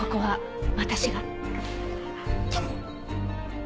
頼む。